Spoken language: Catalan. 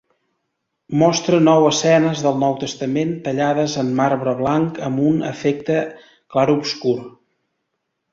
Mostra nou escenes del Nou Testament, tallades en marbre blanc amb un efecte de clarobscur.